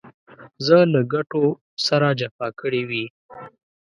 زه له ګټو سره جفا کړې وي.